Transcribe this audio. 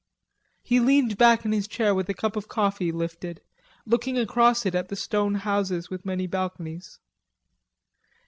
He leaned back in his chair with a cup of coffee lifted, looking across it at the stone houses with many balconies.